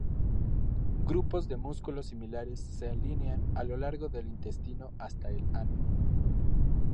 Grupos de músculos similares se alinean a lo largo del intestino hasta el ano.